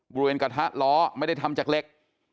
กระทะล้อไม่ได้ทำจากเหล็ก